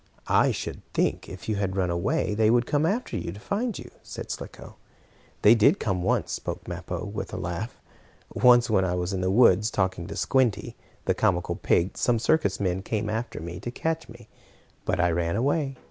"I should think, if you had run away, they would come after you, to find you," said Slicko. "They did come once," spoke Mappo, with a laugh. "Once when I was in the woods, talking to Squinty, the comical pig, some circus men came after me to catch me, but I ran away.